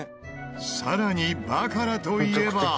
さらにバカラといえば。